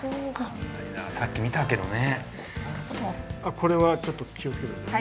これはちょっと気を付けて下さい。